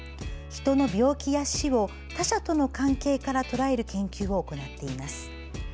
人の病気や死を他者との関係からとらえる研究を行っています。